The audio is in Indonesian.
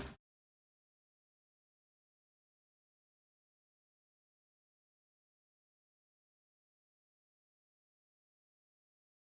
ya udah dut